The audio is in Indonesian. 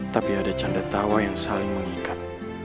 tapi ada canda tawa yang saling mengikat